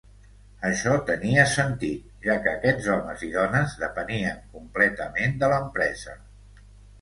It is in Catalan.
Això tenia sentit, ja que aquests homes i dones depenien completament de l'empresa.